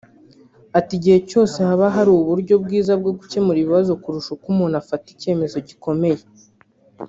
Ati “Igihe cyose haba hari uburyo bwiza bwo gukemura ibibazo kurusha uko umuntu afata icyemezo gikomeye